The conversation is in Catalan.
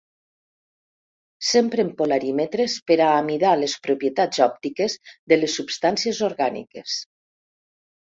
S'empren polarímetres per a amidar les propietats òptiques de les substàncies orgàniques.